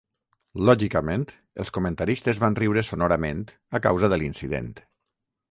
Lògicament, els comentaristes van riure sonorament a causa de l'incident.